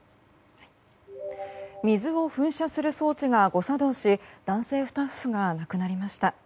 水を噴射する装置が誤作動し男性スタッフが亡くなりました。